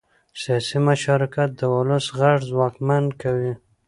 سیاسي مشارکت د ولس غږ ځواکمن کوي